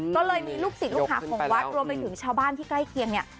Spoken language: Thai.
ก็เลยมีลูกศิษย์ลูกหาของวัดรวมไปถึงชาวบ้านที่ใกล้เคียงเนี่ย